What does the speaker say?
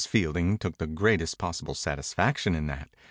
Fielding took the greatest possible satisfaction in that.